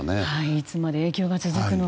いつまで影響が続くのか。